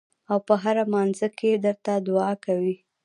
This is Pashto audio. او پۀ هر مانځه کښې درته دعا کوي ـ